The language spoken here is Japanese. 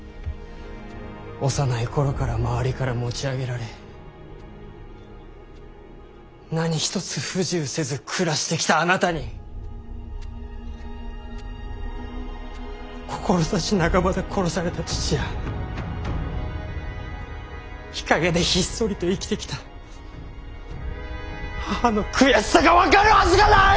幼い頃から周りから持ち上げられ何一つ不自由せず暮らしてきたあなたに志半ばで殺された父や日陰でひっそりと生きてきた母の悔しさが分かるはずがない！